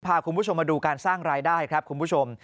พาคุณผู้ชมมาดูการสร้างรายได้ครับคุณผู้ชม